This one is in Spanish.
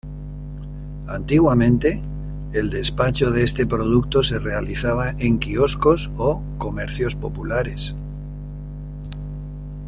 Antiguamente, el despacho de este producto se realizaba en quioscos o comercios populares.